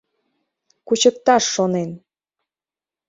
— Кучыкташ шонен!